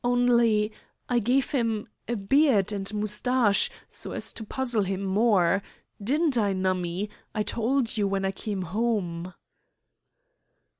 Only I gave him a beard and moustache, so as to puzzle him more. Didn't I, Nummie? I told you when I came home."